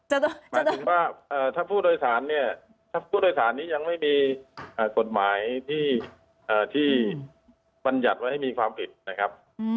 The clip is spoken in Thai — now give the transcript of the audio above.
หมายถึงว่าถ้าผู้โดยสารเนี่ยถ้าผู้โดยสารนี้ยังไม่มีกฎหมายที่บรรยัติไว้ให้มีความผิดนะครับ